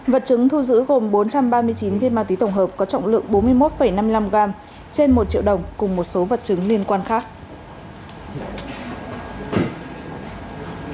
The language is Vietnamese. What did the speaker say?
vật chứng thu giữ gồm bốn trăm ba mươi chín viên ma túy tổng hợp có trọng lượng bốn mươi một năm mươi năm gram trên một triệu đồng cùng một số vật chứng liên quan khác